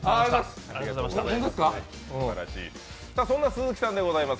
ありがとうございます。